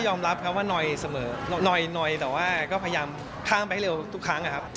ก็ยอมรับเขาว่าหน่อยเสมอหน่อยแต่ว่าก็พยายามข้ามไปเร็วทุกครั้ง